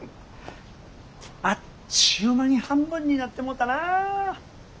あっちゅう間に半分になってもうたなあ。